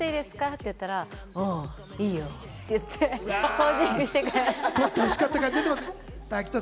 って言ったら、お、いいよって言って、ポージングしてくれました。